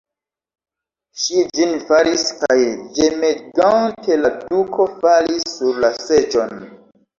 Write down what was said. Ŝi ĝin faris, kaj ĝemegante la duko falis sur la seĝon.